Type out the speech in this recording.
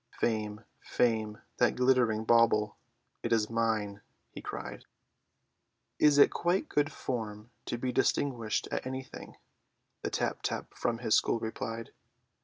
"Fame, fame, that glittering bauble, it is mine," he cried. "Is it quite good form to be distinguished at anything?" the tap tap from his school replied.